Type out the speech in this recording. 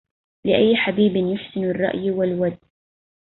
لأي حبيب يحسن الرأي والود